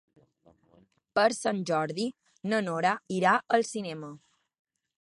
Per Sant Jordi na Nora irà al cinema.